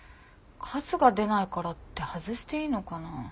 数が出ないからって外していいのかな。